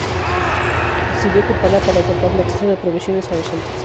Decidió ocuparla para cortar el acceso de provisiones a los celtas.